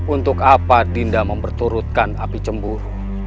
untuk apa dinda memperturutkan api cemburu